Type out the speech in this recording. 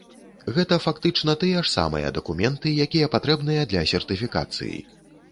Гэта фактычна тыя ж самыя дакументы, якія патрэбныя для сертыфікацыі.